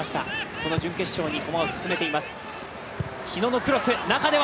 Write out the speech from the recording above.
この準決勝に駒を進めています。